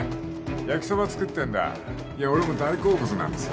焼きそば作ってんだいや俺も大好物なんですよ